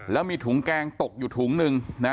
แล้วมีถุงแกงตกอยู่ถุงนึงนะ